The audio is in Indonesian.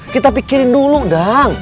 kita pikirin dulu dang